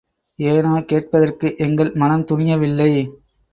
ஏனோ கேட்பதற்கு எங்கள் மனம் துணியவில்லை.